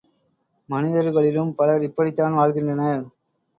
மனிதர்களிலும் பலர் இப்படித்தான் வாழ்கின்றனர்.